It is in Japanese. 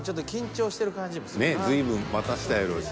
ねえ随分待たせたやろうし。